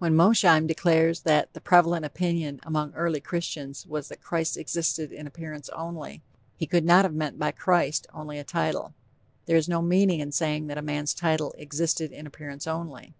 When Mosheim declares that "The prevalent opinion among early Christians was that Christ existed in appearance only," he could not have meant by 'Christ' only a title. There is no meaning in saying that a man's title "existed in appearance only?"